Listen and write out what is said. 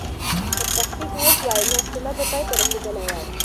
که تحقیق و سوای، نو اختلاف به پای ته رسېدلی وای.